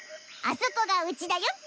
あそこがうちだよ！